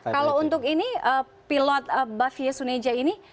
kalau untuk ini pilot bafie suneja ini